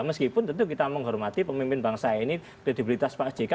meskipun tentu kita menghormati pemimpin bangsa ini kredibilitas pak jk